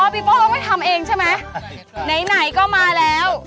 โป้ก็ไม่ทำเองใช่ไหมไหนก็มาแล้ว